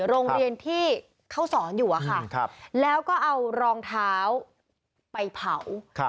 โรงเรียนที่เขาสอนอยู่อะค่ะแล้วก็เอารองเท้าไปเผา